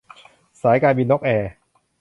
สายการบินนกแอร์